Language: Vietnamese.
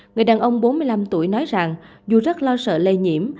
người đàn ông bốn mươi năm tuổi nói rằng dù rất lo sợ lây nhiễm